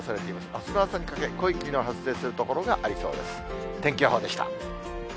あすの朝にかけ、濃い霧の発生する所がありそうです。